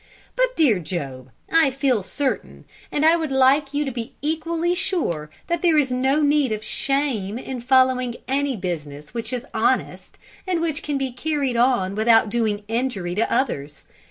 "But, dear Job, I feel certain, and I would like you to be equally sure, that there is no need of shame in following any busines which is honest, and which can be carried on without doing injury to others.